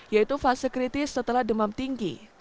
yaitu fase kritis setelah demam tinggi